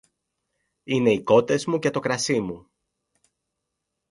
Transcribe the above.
Είναι οι κότες μου και το κρασί μου